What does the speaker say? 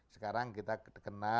sekarang kita kedepannya